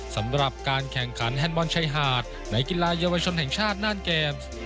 สำหรับการแข่งขันแฮนดบอลชายหาดในกีฬาเยาวชนแห่งชาติน่านเกมส์